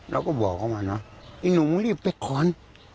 เราก็บอกเขามาเนอะไอ้หนูรีบไปก่อน